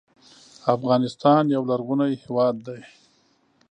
افغانستان یو لرغونی هېواد دی.